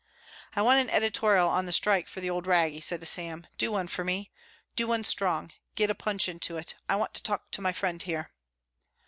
"I want an editorial on the strike for the Old Rag," he said to Sam. "Do one for me. Do something strong. Get a punch into it. I want to talk to my friend here."